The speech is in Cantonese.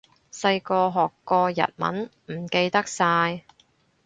細個學過日文，唔記得晒